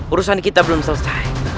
urusan kita belum selesai